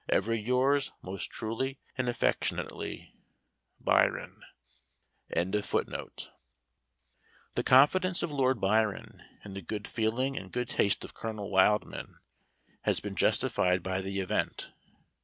Ever yours most truly and affectionately, BYRON.] The confidence of Lord Byron in the good feeling and good taste of Colonel Wildman has been justified by the event.